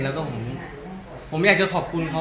แล้วก็ผมอยากจะขอบคุณเขา